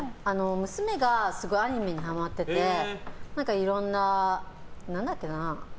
娘がすごいアニメにハマってていろんな、何だっけな。